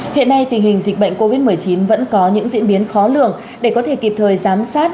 hiện nay tình hình dịch bệnh covid một mươi chín vẫn có những diễn biến khó lường để có thể kịp thời giám sát